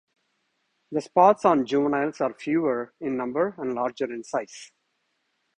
The spots on juveniles are fewer in number and larger in size.